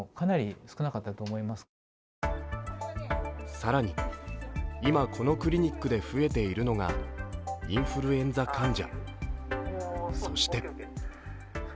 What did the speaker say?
更に、今このクリニックで増えているのがインフルエンザ患者。